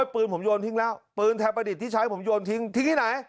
ปืนผมโยนทิ้งแล้วปืนไทยประดิษฐ์ที่ใช้ผมโยนทิ้งทิ้งที่ไหน